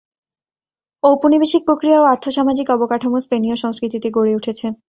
ঔপনিবেশিক প্রক্রিয়া ও আর্থ-সামাজিক অবকাঠামো স্পেনীয় সংস্কৃতিতে গড়ে উঠেছে।